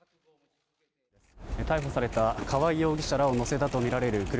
逮捕された河井容疑者らを乗せたとみられる車